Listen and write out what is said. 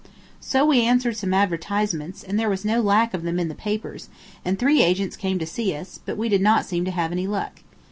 So we answered some advertisements, and there was no lack of them in the papers, and three agents came to see us, but we did not seem to have any luck.